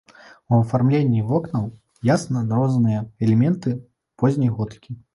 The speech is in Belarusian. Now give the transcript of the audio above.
У афармленні вокнаў ясна адрозныя элементы позняй готыкі.